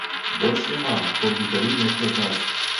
Больш няма, толькі калі нехта здасць.